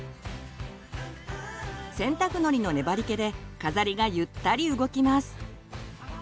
洗濯のりの粘りけで飾りがゆったり動きます。